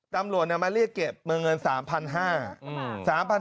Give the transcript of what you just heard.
ตำรวจมาเรียกเก็บเมืองเงิน๓๕๐๐บาท